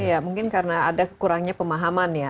ya mungkin karena ada kurangnya pemahaman ya